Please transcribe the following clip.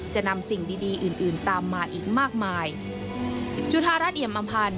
จะนำสิ่งดีอื่นตามมาอีกมากมาย